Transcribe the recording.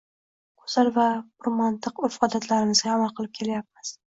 Goʻzal va purmantiq urf-odatlarimizga amal qilib kelayapmiz.